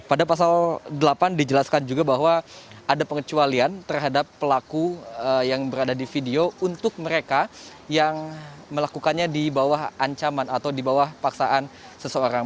pada pasal delapan dijelaskan juga bahwa ada pengecualian terhadap pelaku yang berada di video untuk mereka yang melakukannya di bawah ancaman atau di bawah paksaan seseorang